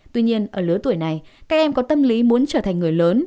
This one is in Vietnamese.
tuy nhiên ở lứa tuổi này các em có tâm lý muốn trở thành người lớn